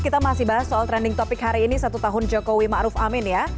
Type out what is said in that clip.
kita masih bahas soal trending topik hari ini satu tahun jokowi maruf amin ya